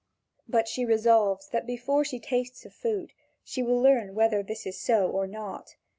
But she resolves that before she tastes of food, she will learn whether this is so or not.